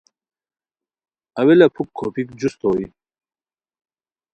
اویلہ پُھک کھوپیک جوست ہوئے